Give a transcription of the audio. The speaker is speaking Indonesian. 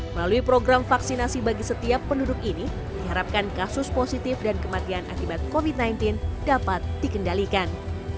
melalui program vaksinasi bagi setiap penduduk ini diharapkan kasus positif dan kematian akibat covid sembilan belas dapat dikendalikan